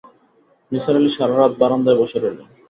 নিসার আলি সারা রাত বারান্দায় বসে রইলেন।